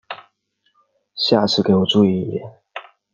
下次给我注意一点！